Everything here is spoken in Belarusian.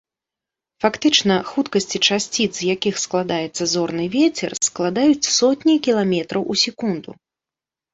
Фактычна, хуткасці часціц, з якіх складаецца зорны вецер, складаюць сотні кіламетраў у секунду.